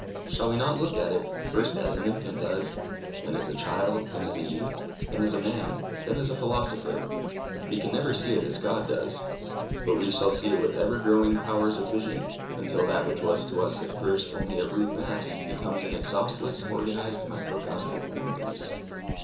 Shall we not look at it, first as an infant does, then as a child, then as a youth, then as a man, then as a philosopher? We can never see it as God does. But we shall see it with ever growing powers of vision, until that which was to us at first only a rude mass becomes an exhaustless organized microcosm of wonders.